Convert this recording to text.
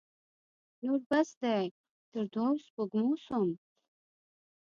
نور بس دی؛ تر دوو سپږمو سوم.